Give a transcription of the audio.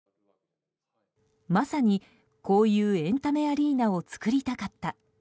まさにこういうエンタメアリーナを作りたかった。